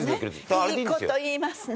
いい事言いますね。